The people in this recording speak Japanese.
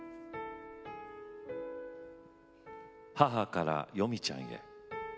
「母からよみちゃんへ。